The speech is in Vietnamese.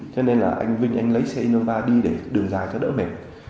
cho nên là anh vinh anh lấy xe innova đi để đường dài cho đỡ mệt